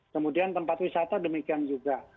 kemudian tempat wisata demikian juga